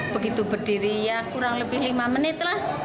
begitu berdiri ya kurang lebih lima menit lah